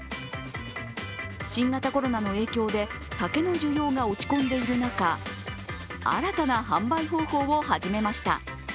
新型コロナの影響で酒の需要が落ち込んでいる中新たな販売方法を始めました。